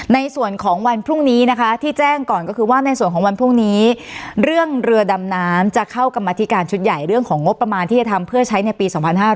ในส่วนของวันพรุ่งนี้นะคะที่แจ้งก่อนก็คือว่าในส่วนของวันพรุ่งนี้เรื่องเรือดำน้ำจะเข้ากรรมธิการชุดใหญ่เรื่องของงบประมาณที่จะทำเพื่อใช้ในปี๒๕๕๙